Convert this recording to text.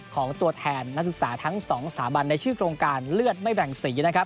ของตัวแทนนักศึกษาทั้ง๒สถาบันในชื่อโครงการเลือดไม่แบ่งสีนะครับ